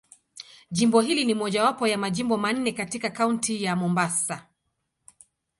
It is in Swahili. Jimbo hili ni mojawapo ya Majimbo manne katika Kaunti ya Mombasa.